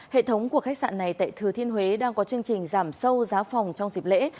hệ thống của khách sạn này tại thừa thiên huế đang có chương trình giảm sâu giá phòng trong dịp lễ